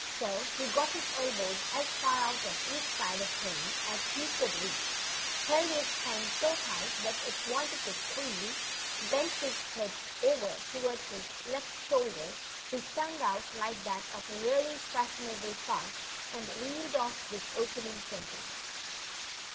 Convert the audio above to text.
So he got his elbows as far out on each side of him as he could reach, held his pen so tight that it wanted to squeal, bent his head over toward his left shoulder, his tongue out like that of a really fashionable pug, and reeled off this opening sentence : 28 THE CHILDREN'S WONDER BOOK.